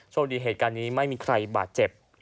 โชคดีเหตุการณ์นี้ไม่มีใครบาดเจ็บ